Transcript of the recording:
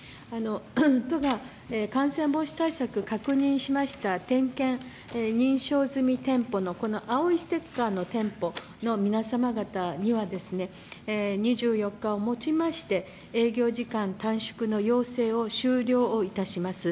都が感染防止対策を確認しました点検認証済み店舗のこの青いステッカーの店舗の皆様方には２４日をもちまして営業時間短縮の要請を終了いたします。